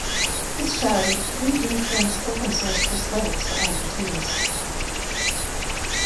This charity three-d prints open source prosthetics for amputees.